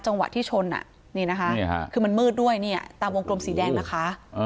จังหวะที่ชนนี่นะคะคือมันมืดด้วยเนี่ยตามวงกลมสีแดงนะคะ